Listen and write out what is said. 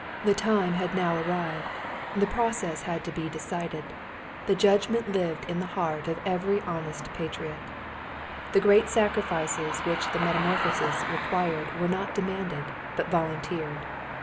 The time had now arrived, the process had been decided, the judgment lived in the heart of every honest patriot. The great sacrifices which the metamorphosis required were not demanded, but volunteered.